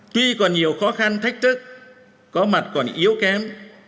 tuy còn nhiều khó khăn thách thức có mặt còn yếu kém